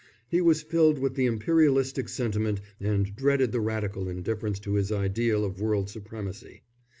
He was filled with the Imperialistic sentiment and dreaded the Radical indifference to his ideal of world supremacy.